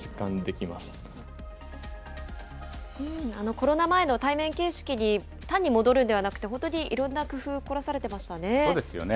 コロナ前の対面形式に単に戻るんではなくて、本当にいろんなそうですよね。